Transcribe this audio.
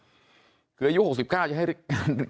คุณสังเงียมต้องตายแล้วคุณสังเงียม